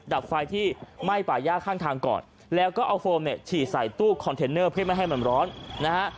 ดับไฟที่ไหม้ป่าย่าข้างทางก่อนแล้วก็เอาโฟมเนี่ยฉีดใส่ตู้คอนเทนเนอร์เพื่อไม่ให้มันร้อนนะฮะ